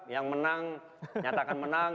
yang menang nyatakan menang